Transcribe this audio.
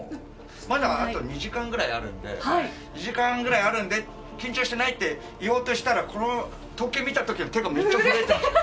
まだ、あと２時間ぐらいあるんで２時間ぐらいあるんで緊張してないって言おうとしたらこの時計見たとき手がめっちゃ震えてた。